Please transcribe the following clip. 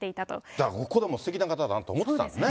だからここですてきな方だなと思ってたのね。